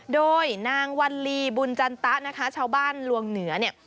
โดยนางวันลีบุญจันตะนะคะชาวบ้านลวงเหนือเนี่ย